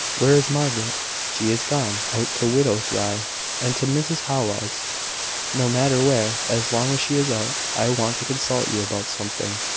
"Where is Margaret?" "She is gone out to Widow Rye's, and to Mrs Howell's." "No matter where, as long as she is out. I want to consult you about something."